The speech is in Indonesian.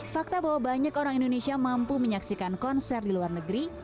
fakta bahwa banyak orang indonesia mampu menyaksikan konser di luar negeri